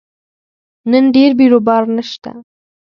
نن ډېر بیروبار نشته